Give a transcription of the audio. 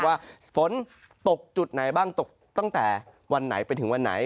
ว่าฝนตกจุดไหนบ้างตกตั้งแต่วันไหนไปถึงวันไหน